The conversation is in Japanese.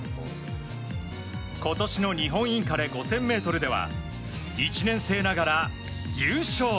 今年の日本インカレ５０００ｍでは１年生ながら優勝。